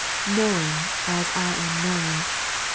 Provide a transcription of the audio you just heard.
4. Knowing as I am known.